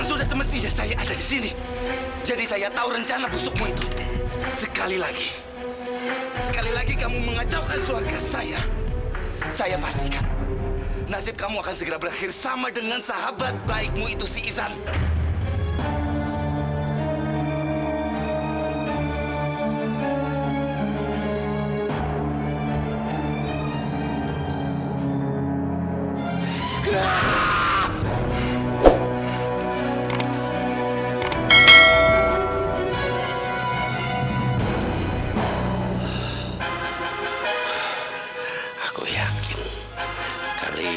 sampai jumpa di video selanjutnya